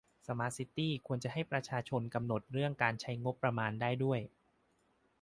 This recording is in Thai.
สมาร์ทซิตี้ควรจะให้ประชาชนกำหนดเรื่องการใช้งบประมาณได้ด้วย